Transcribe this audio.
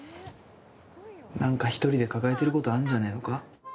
なんか一人で抱えてることあんじゃないのか？